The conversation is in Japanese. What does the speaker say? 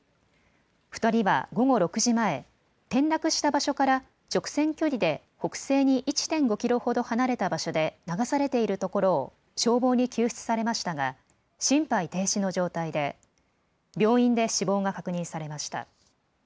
２人は午後６時前、転落した場所から直線距離で北西に１．５キロほど離れた場所で流されているところを消防に救出されましたが心肺停止の状態で病院で死亡が確認されました。